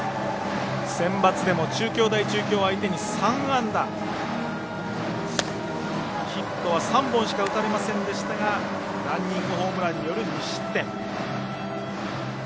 センバツでも中京大中京相手に３安打、ヒットは３本しか打たれませんでしたがランニングホームランによる２失点。